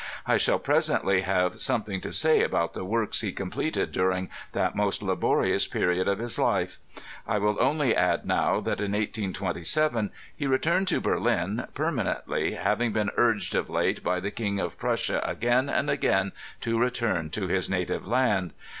I shall presently have something to say about the works he com pleted during that most laborious period of his life. I will only add now, that in 1827 he returned to Berlin permanently, hay ing been urged of late by the King of Prussia again and again to return to his native land.